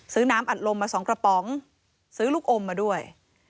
น้ำอัดลมมา๒กระป๋องซื้อลูกอมมาด้วย